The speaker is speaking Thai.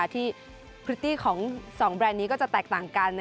พริตตี้ของ๒แบรนด์นี้ก็จะแตกต่างกัน